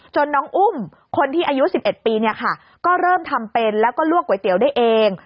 น้องอุ้มคนที่อายุ๑๑ปีเนี่ยค่ะก็เริ่มทำเป็นแล้วก็ลวกก๋วยเตี๋ยวได้เอง